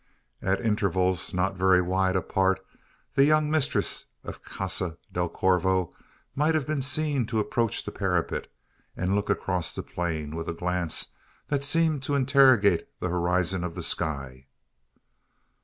At intervals, not very wide apart, the young mistress of Casa del Corvo might have been seen to approach the parapet, and look across the plain, with a glance that seemed to interrogate the horizon of the sky.